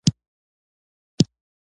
زه اسلامي نظرې ته احترام لرم.